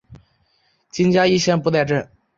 今嘉义县布袋镇。